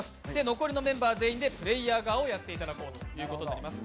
残りのメンバー全員でプレーヤー側をやっていただこうということになります。